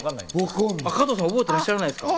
加藤さん、覚えてらっしゃらないですか？